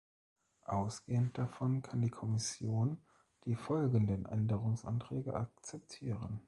Ausgehend davon kann die Kommission die folgenden Änderungsanträge akzeptieren.